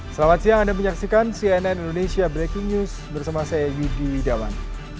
selamat siang anda menyaksikan cnn indonesia breaking news bersama saya yudi widawan